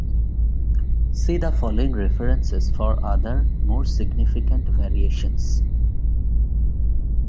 See the following references for other, more significant variations.